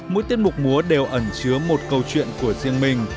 mỗi tiết mục múa đều ẩn chứa một câu chuyện của riêng mình